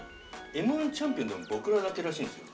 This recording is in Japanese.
◆Ｍ−１チャンピオンでも僕らだけらしいんですよ